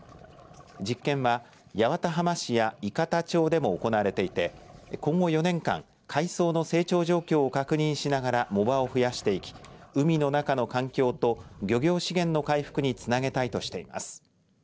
実験は八幡浜市や伊方町でも行われていて今後４年間、海藻の成長状況を確認しながら藻場を増やしていき海の中の環境と漁業資源の回復につなげたいとしています。